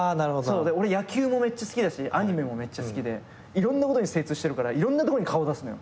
俺野球もめっちゃ好きだしアニメもめっちゃ好きでいろんなことに精通してるからいろんなとこに顔出すのよ。